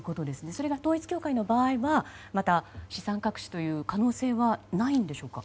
それが統一教会の場合は資産隠しという可能性はないんでしょうか。